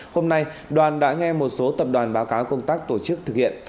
hôm nay đoàn đã nghe một số tập đoàn báo cáo công tác tổ chức thực hiện